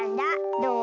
どう？